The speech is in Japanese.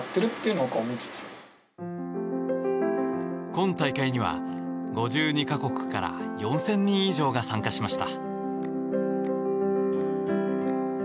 今大会には５２か国から４０００人以上が参加しました。